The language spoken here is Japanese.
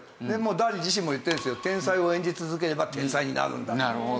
ダリ自身も言ってるんですけど「天才を演じ続ければ天才になるんだ」という。